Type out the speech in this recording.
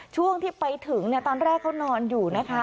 ช่วงที่ไปถึงตอนแรกเขานอนอยู่นะคะ